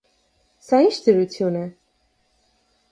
Սա ի՞նչ դրություն է…